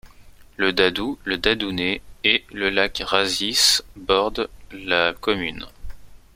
Le Dadou, le Dadounet et le lac de Rasisse bordent la commune.